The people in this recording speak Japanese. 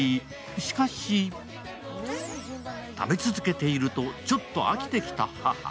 しかし、食べ続けていると、ちょっと飽きてきた母。